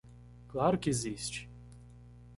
Claro que existe!